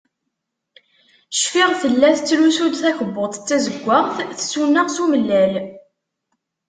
Cfiɣ, tella tettlus-d takebbuḍt d tazeggaɣt, tsuneɣ s umellal.